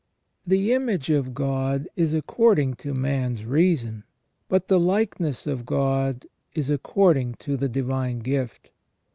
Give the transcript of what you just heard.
The image of God is according to man's reason ; but the likeness of God is according to the divine gift.